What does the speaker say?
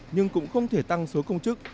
nhưng cũng không thể tăng số công chức